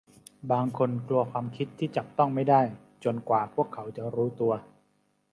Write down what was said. บางคนกลัวความคิดที่จับต้องไม่ได้จนกว่าพวกเขาจะรู้ตัว